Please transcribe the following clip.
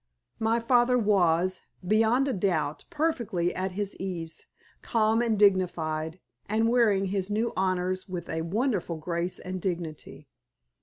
My father was, beyond a doubt, perfectly at his ease, calm and dignified, and wearing his new honors with a wonderful grace and dignity.